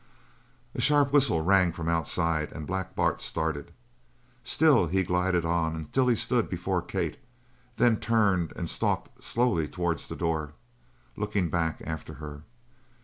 A sharp whistle rang from outside, and Black Bart started. Still he glided on until he stood before Kate; then turned and stalked slowly towards the door, looking back after her.